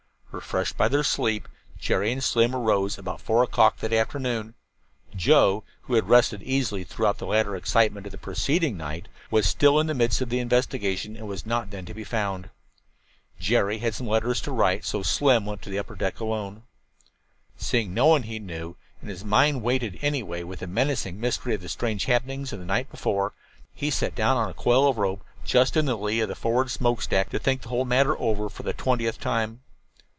Refreshed by their sleep, Jerry and Slim arose about four o'clock that afternoon. Joe, who had rested easily throughout the later excitement of the preceding night, was still in the midst of the investigation and was not then to be found. Jerry had some letters to write, so Slim went to the upper deck alone. Seeing no one that he knew, and his mind weighted anyway with the menacing mystery of the strange happenings of the night before, he sat down on a coil of rope, just in the lee of the forward smokestack, to think the whole matter over for the twentieth time.